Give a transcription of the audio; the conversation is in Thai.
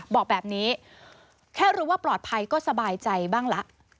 บอกแบบนี้แค่รู้ว่าปลอดภัยก็สบายใจบ้างละ